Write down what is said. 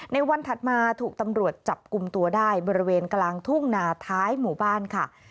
ในวันถัดมาถูกตำรวจจับกลุ่มตัวได้บริเวณกลางทุ่งนาท้ายหมู่บ้านค่ะ